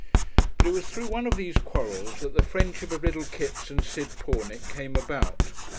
But it was through one of these quarrels that the friendship of little Kipps and Sid Pornick came about.